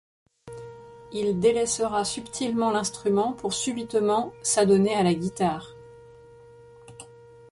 Il délaissera subtilement l'instrument pour subitement s'adonner à la guitare.